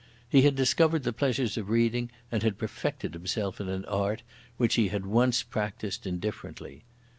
He had discovered the pleasures of reading and had perfected himself in an art which he had once practised indifferently.